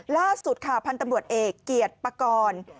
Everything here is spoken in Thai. ล่าสุดค่ะพันธ์ตำรวจเอกเกียรติปกรณ์